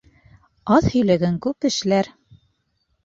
Аҙ һөйләгән күп эшләр.